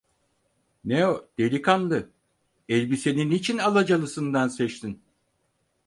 Ne o, delikanlı, elbiseni niçin alacalısından seçtin?